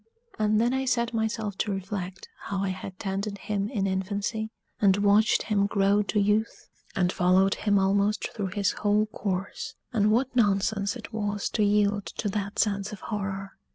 And then I set myself to reflect how I had tended him in infancy, and watched him grow to youth, and followed him almost through his whole course, and what nonsense it was to yield to that sense of horror.